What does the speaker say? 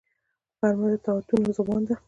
غرمه د طاعتونو زمان ده